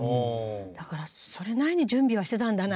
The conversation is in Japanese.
だからそれなりに準備はしてたんだなと。